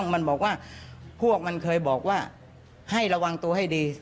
มันบอกว่าพวกมันเคยบอกว่าให้ระวังตัวให้ดี